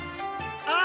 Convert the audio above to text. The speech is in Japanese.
あ！